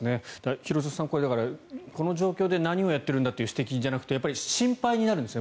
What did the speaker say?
廣津留さん、この状況で何をやっているんだという指摘じゃなくて心配になるんですよね。